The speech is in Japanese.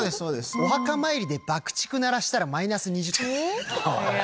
お墓参りで爆竹鳴らしたらマイナス２０点。